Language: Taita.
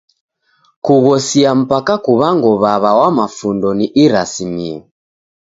Kughosia mpaka kuw'ango w'aw'a wa mafundo ni irasimio.